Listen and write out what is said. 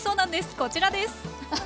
こちらです。